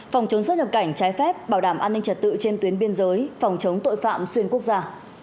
phòng chống xuất nhập cảnh trái phép bảo đảm an ninh trật tự trên tuyến biên giới phòng chống tội phạm xuyên quốc gia